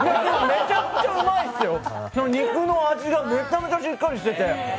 めちゃくちゃうまいですよ、肉の味がめちゃめちゃしっかりしてて。